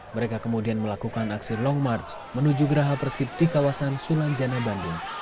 mereka kemudian melakukan aksi long march menuju geraha persib di kawasan sulanjana bandung